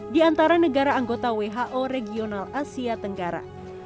di antara negara anggota who regional asia tenggara